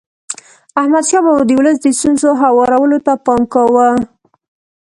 احمدشاه بابا د ولس د ستونزو هوارولو ته پام کاوه.